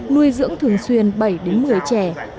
nuôi dưỡng thường xuyên bảy đến một mươi trẻ